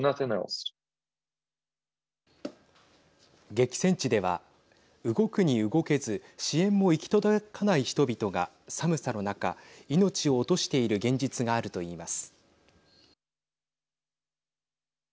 激戦地では、動くに動けず支援も行き届かない人々が寒さの中、命を落としている現実があると言います。